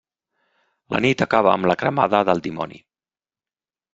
La Nit acaba amb la Cremada del Dimoni.